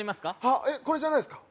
これじゃないですか？